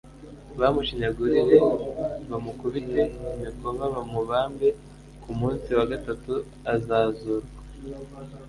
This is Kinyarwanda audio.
bamushinyagurire bamukubite imikoba bamubambe, ku munsi wa gatatu azazurwa.''